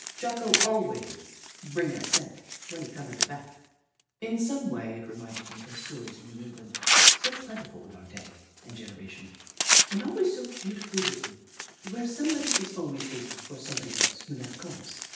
Jocko always bringa cent when he coma da back." 148 The Book of Clever Beasts In some way, it reminded me of those stories of New England, so plentiful in our day and generation, and always so beautifully written, where somebody is always waiting for some body else, who never comes.